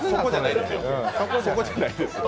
そこじゃないです